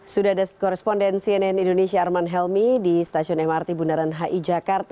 sudah ada koresponden cnn indonesia arman helmi di stasiun mrt bundaran hi jakarta